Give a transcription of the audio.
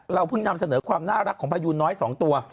เพิ่งนำเสนอความน่ารักของพยูนน้อย๒ตัว